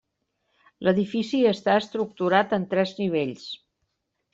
L'edifici està estructurat en tres nivells.